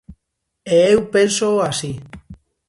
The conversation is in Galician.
E eu pénsoo así.